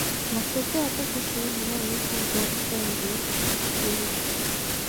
Максаты — ата кесибин улай өз уулдарына да өнөрүн өткөрүп берүү.